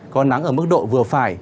có nắng ở mức độ vừa phải